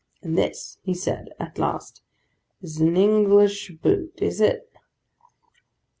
'And this,' he said, at last, 'is an English boot, is it?